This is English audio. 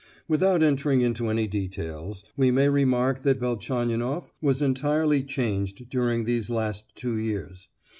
Without entering into any details, we may remark that Velchaninoff was entirely changed during these last two years.